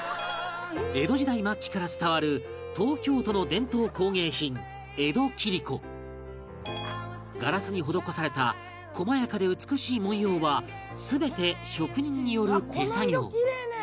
江戸時代末期から伝わる東京都の伝統工芸品江戸切子ガラスに施された細やかで美しい紋様は全て職人による手作業